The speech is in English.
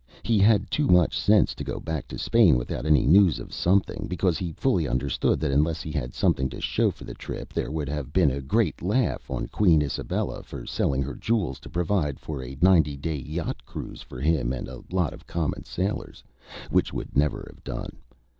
He had too much sense to go back to Spain without any news of something, because he fully understood that unless he had something to show for the trip, there would have been a great laugh on Queen Isabella for selling her jewels to provide for a ninety day yacht cruise for him and a lot of common sailors, which would never have done.